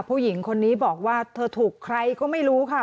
ผู้หญิงคนนี้บอกว่าเธอถูกใครก็ไม่รู้ค่ะ